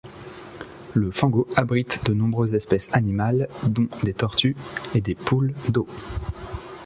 Le Fango abrite de nombreuses espèces animales dont des tortues et des poules d'eau.